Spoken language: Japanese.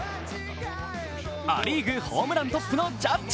ア・リーグ、ホームラントップのジャッジ。